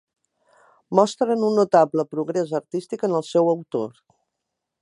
Mostren un notable progrés artístic en el seu autor.